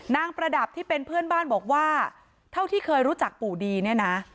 ประดับที่เป็นเพื่อนบ้านบอกว่าเท่าที่เคยรู้จักปู่ดีเนี่ยนะ